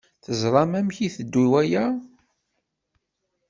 Teẓṛam amek i iteddu waya?